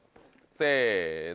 せの。